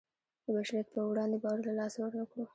د بشریت په وړاندې باور له لاسه ورنکړو.